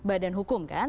badan hukum kan